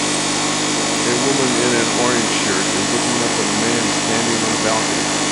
A woman in an orange shirt is looking up at a man standing on a balcony.